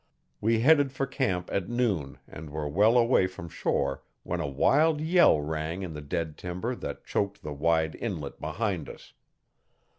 We headed for camp at noon and were well away from shore when a wild yell rang in the dead timber that choked the wide inlet behind us.